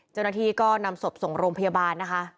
เจ้าหน้าที่ก็นำศพส่งโรงพยาบาลนะคะ